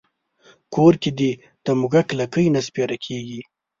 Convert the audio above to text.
کور کې دې د موږک لکۍ نه سپېره کېږي.